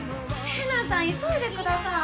瀬那さん急いでください！